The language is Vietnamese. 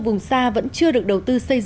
vùng xa vẫn chưa được đầu tư xây dựng